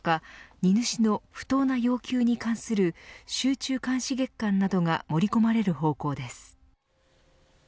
荷主の不当な要求に関する集中監視月間などが盛り込まれる方向です。